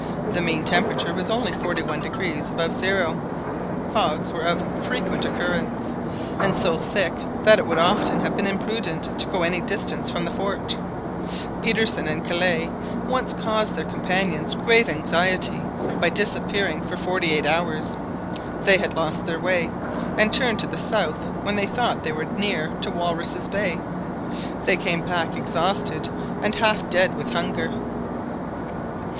The mean temperature was only 41° above zero. Fogs were of frequent occurrence, and so thick that it would often have been imprudent to go any distance from the fort. Petersen and Kellet once caused their companions grave anxiety by disappearing for forty eight hours. They had lost their way, and turned to the south when they thought they were near to Walruses' Bay. They came back exhausted and half dead with hunger.